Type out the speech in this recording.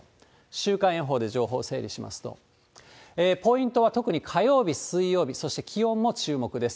週間予報で情報を整理しますと、ポイントは、特に火曜日、水曜日、そして気温も注目です。